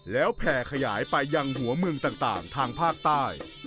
แล้วแผ่ขยายไปยังหัวเมืองต่างทางภาคใต้